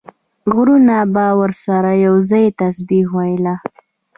غرونو به ورسره یو ځای تسبیح ویله.